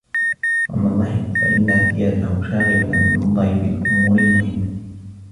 وَأَمَّا الضَّحِكُ فَإِنَّ اعْتِيَادَهُ شَاغِلٌ عَنْ النَّظَرِ فِي الْأُمُورِ الْمُهِمَّةِ